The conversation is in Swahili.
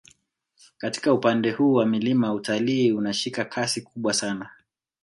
Katika upande huu wa milima utalii unashika kasi kubwa sana